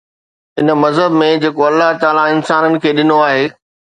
ان مذهب ۾ جيڪو الله تعاليٰ انسانن کي ڏنو آهي